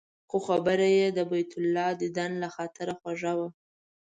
خو خبره یې د بیت الله دیدن له خاطره خوږه وه.